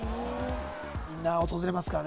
みんな訪れますからね